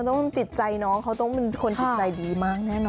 จิตใจน้องเขาต้องเป็นคนจิตใจดีมากแน่นอน